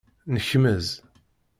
Nekmez.